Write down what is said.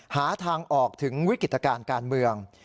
หาทางออกถึงวิกฤตการณ์การเมือง